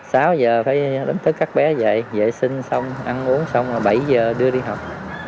sáu h phải đón thức các bé dậy vệ sinh xong ăn uống xong bảy h đưa đi học